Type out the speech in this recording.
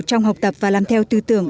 trong học tập và làm theo tư tưởng